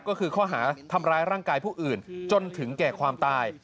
ก็คือข้อหาทำร้ายร่างกายผู้อื่นจนถึงแก่ความตาย